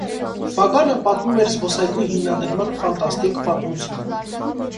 Ֆագանը պատմում էր զբոսայգու հիմնադրման ֆանտաստիկ պատմություն։